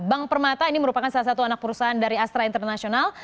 bank permata ini merupakan salah satu anak perusahaan dari astra international